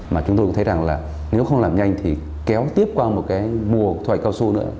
mà chúng tôi cũng thấy rằng là nếu không làm nhanh thì kéo tiếp qua một cái mùa thu hoạch cao su nữa